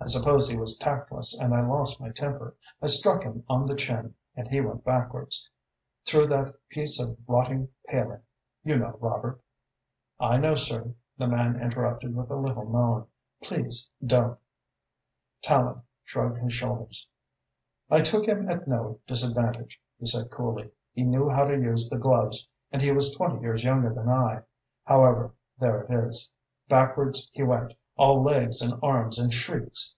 I suppose he was tactless and I lost my temper. I struck him on the chin and he went backwards, through that piece of rotten paling, you know, Robert " "I know, sir," the man interrupted, with a little moan. "Please don't!" Tallente shrugged his shoulders. "I took him at no disadvantage," he said coolly. "He knew how to use the gloves and he was twenty years younger than I. However, there it is. Backwards he went, all legs and arms and shrieks.